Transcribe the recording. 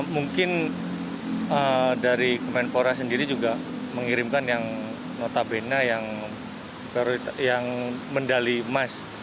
mungkin dari kemenpora sendiri juga mengirimkan yang notabene yang medali emas